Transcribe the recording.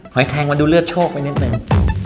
อยแคงมาดูเลือดโชคไปนิดนึง